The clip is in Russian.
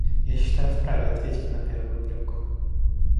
Я считаю вправе ответить на первый упрек.